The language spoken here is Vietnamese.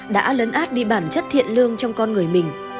đã lấn át đi bản chất thiện lương trong con người mình